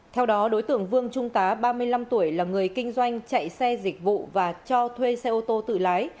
theo đó đối tượng vương trung tá ba mươi năm tuổi là người kinh doanh chạy xe dịch vụ và cho thuê xe ô tô tự lái